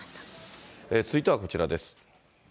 続いてはこちらです。